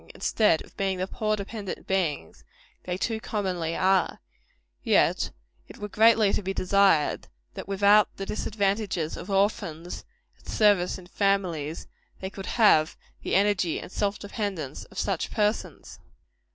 ] instead of being the poor dependent beings they too commonly are; yet it were greatly to be desired, that without the disadvantages of orphans at service in families, they could have the energy and self dependence of such persons.